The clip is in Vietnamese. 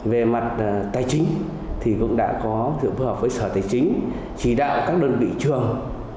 về mặt tài chính thì cũng đã có sự phối hợp với sở tài chính chỉ đạo các đơn vị trường